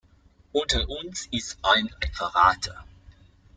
Unter uns ist ein Verräter.